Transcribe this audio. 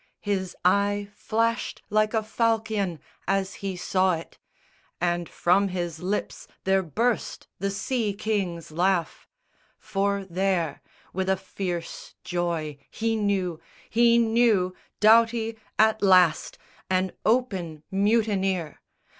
His eye flashed like a falchion as he saw it, And from his lips there burst the sea king's laugh; For there, with a fierce joy he knew, he knew Doughty, at last an open mutineer!